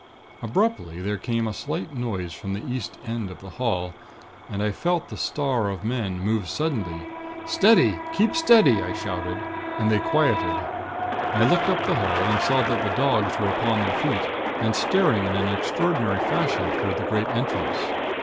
"Abruptly, there came a slight noise from the east end of the hall, and I felt the star of men move suddenly. 'Steady! Keep steady!' I shouted, and they quietened. I looked up the hall, and saw that the dogs were upon their feet, and staring in an extraordinary fashion toward the great entrance.